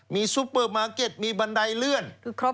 มีซูเปอร์มาร์เก็ตมีบันไดเลื่อน